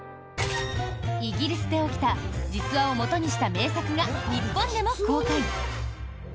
イギリスで起きた実話をもとにした名作が日本でも公開。